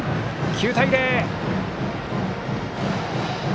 ９対０。